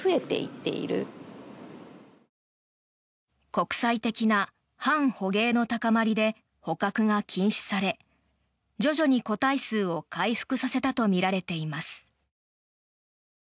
国際的な反捕鯨の高まりで捕獲が禁止され徐々に個体数を回復させたとみられています。